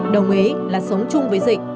đồng ý là sống chung với dịch